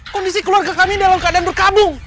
kondisi keluarga kami dalam keadaan berkabung